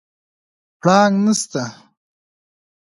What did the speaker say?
پړانګ نسته